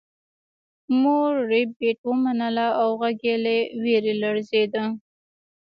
مور ربیټ ومنله او غږ یې له ویرې لړزیده